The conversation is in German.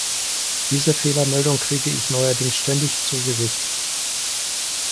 Diese Fehlermeldung kriege ich neuerdings ständig zu Gesicht.